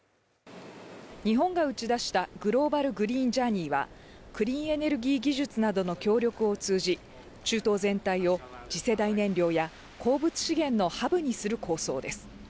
日本が打ち出したグローバル・グリーン・ジャーニーは、クリーンエネルギー技術などの協力を通じ、中東全体を次世代燃料や鉱物資源のハブにする構想です。